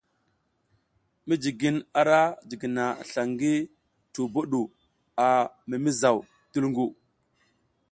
Mijigin ara jigina sla ngi tubo ɗu a mimizaw dulgu.